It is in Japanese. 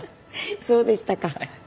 そうでしたか。